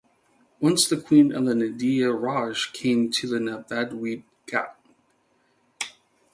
Once the queen of Nadia Raj came to the Nabadwip ghat.